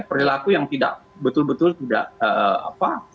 perilaku yang tidak betul betul tidak apa